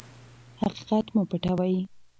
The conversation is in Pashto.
حقیقت مه پټوئ.